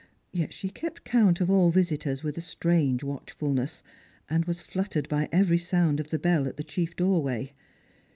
Yet she kept count of all visitors with a strange watchfulness, and was fluttered by every sound of the bell at the chief doorway.